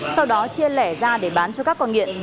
sau đó chia lẻ ra để bán cho các con nghiện